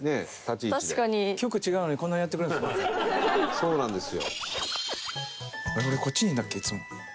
そうなんですよ。